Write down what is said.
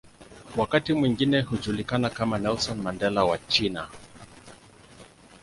Wakati mwingine hujulikana kama "Nelson Mandela wa China".